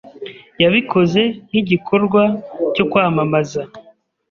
yabikoze nkigikorwa cyo kwamamaza.